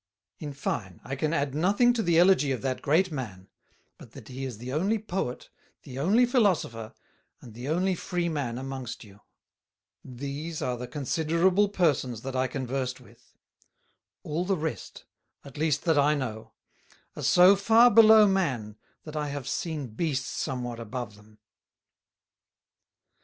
In fine, I can add nothing to the Elogy of that Great Man, but that he is the only Poet, the only Philosopher, and the only Freeman amongst you: These are the considerable Persons that I conversed with; all the rest, at least that I know, are so far below Man that I have seen Beasts somewhat above them.